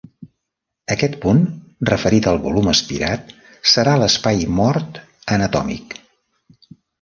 Aquest punt, referit al volum espirat, serà l'espai mort anatòmic.